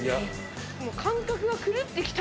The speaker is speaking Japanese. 感覚が狂ってきた。